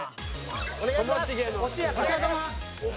お願いします！